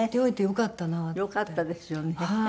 よかったですよね。